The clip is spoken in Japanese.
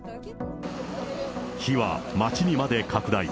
火は街にまで拡大。